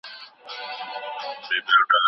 دا پروګرامونه په انټرنټ کې هم شته.